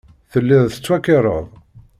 Telliḍ tettwakareḍ.